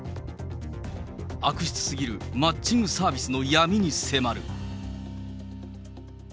悪質すぎるマッチングサービスの闇に迫る。